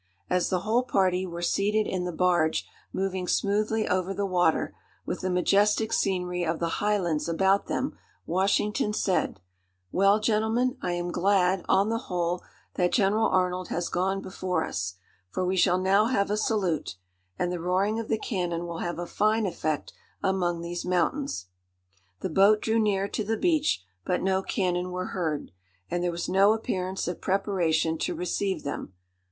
As the whole party were seated in the barge moving smoothly over the water, with the majestic scenery of the highlands about them, Washington said, "Well, gentlemen, I am glad, on the whole, that General Arnold has gone before us, for we shall now have a salute; and the roaring of the cannon will have a fine effect among these mountains." The boat drew near to the beach, but no cannon were heard, and there was no appearance of preparation to receive them.